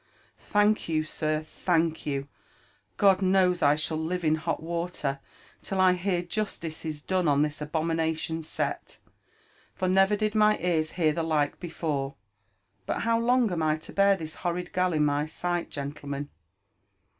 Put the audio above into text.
" Thank you, sir, thank you ! God knows, I shall live iirhot water till I hear justice is done on this abomination set ; for never did my ears hear the like before. But how long am I to bear this horrid gal in my sight, gentlemen